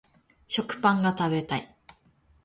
食パンが食べたい